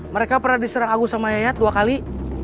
mereka pernah diserang agung sama yayat dua kali